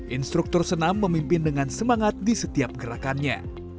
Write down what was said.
instruktur senam memimpin dengan semangat di setiap gerakannya